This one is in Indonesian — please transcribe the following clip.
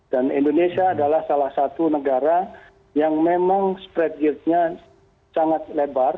dan indonesia adalah salah satu negara yang memang spread gearing nya sangat lebar